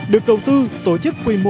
được đầu tư